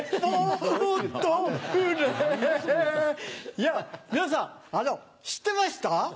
いやぁ皆さん知ってました？